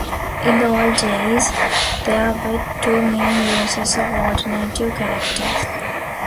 In the old days, there were two main uses of alternative characters.